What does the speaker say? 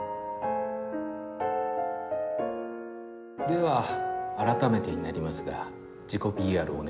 では改めてになりますが自己ＰＲをお願いします。